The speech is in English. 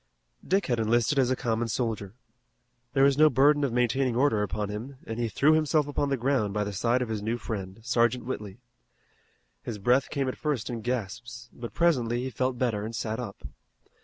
Dick had enlisted as a common soldier. There was no burden of maintaining order upon him, and he threw himself upon the ground by the side of his new friend, Sergeant Whitley. His breath came at first in gasps, but presently he felt better and sat up.